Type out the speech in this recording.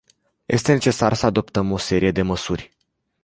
Este necesar să adoptăm o serie de măsuri.